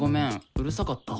うるさかった？